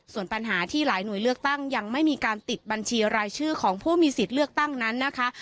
ส่วนปัญหาที่หลายหน่วยเลือกตั้งยังไม่มีการติดบัญชีรายชื่อของผู้มีสิทธิ์เลือกตั้งนั้นนะคะ